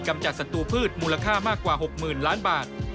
จัดศัตรูพืชมูลค่ามากกว่า๖๐๐๐ล้านบาท